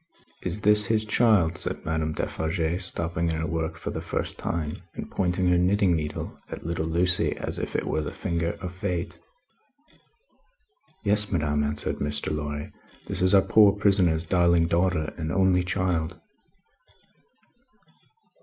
"Is that his child?" said Madame Defarge, stopping in her work for the first time, and pointing her knitting needle at little Lucie as if it were the finger of Fate. "Yes, madame," answered Mr. Lorry; "this is our poor prisoner's darling daughter, and only child."